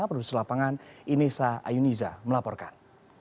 produser lapangan inesa ayuniza melaporkan